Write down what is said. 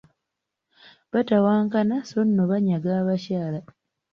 Baatawankana so nno banyaga abakyala.